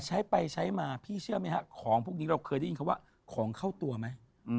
ใช้ไปใช้มาพี่เชื่อไหมฮะของพวกนี้เราเคยได้ยินคำว่าของเข้าตัวไหม